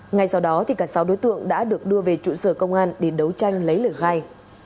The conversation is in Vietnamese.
ngay sau đó cả sáu đối tượng đã được đưa về trụ sở công an để đấu tranh lấy lời khai